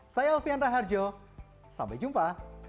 saya alfian raharjo sampai jumpa